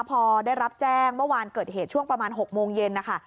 พอได้รับแจ้งเมื่อวานเกิดเหตุช่วงประมาณ๖โมงเย็นนะคะ